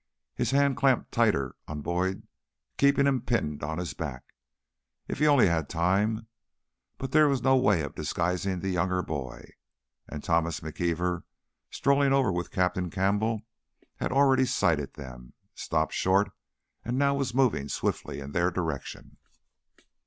His hand clamped tighter on Boyd, keeping him pinned on his back. If he only had time ... but there was no way of disguising the younger boy. And Thomas McKeever, strolling with Captain Campbell, had already sighted them, stopped short, and now was moving swiftly in their direction.